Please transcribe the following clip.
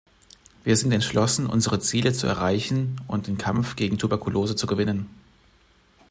Wir sind entschlossen, unsere Ziele zu erreichen und den Kampf gegen Tuberkulose zu gewinnen.